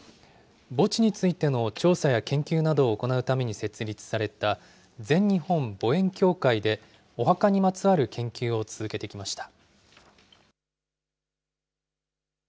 墓地についての調査や研究などを行うために設立された、全日本墓園協会で、お墓にまつわる研究を続けてきました。